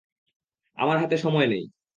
আমার হাতে সময় নেই।